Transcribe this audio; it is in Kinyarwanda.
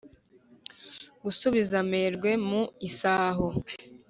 gusubiza amerwe mu isaho